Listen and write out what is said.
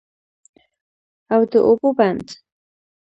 او د اوبو بند